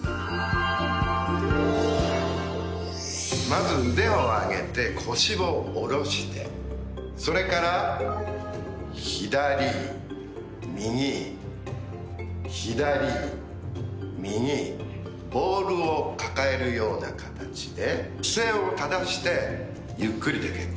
まず腕を上げて腰を下ろしてそれから左右左右ボールを抱えるような形で姿勢を正してゆっくりで結構です。